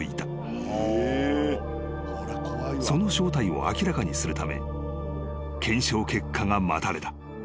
［その正体を明らかにするため検証結果が待たれた］